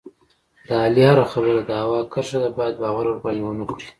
د علي هره خبره د هوا کرښه ده، باید باور ورباندې و نه کړې.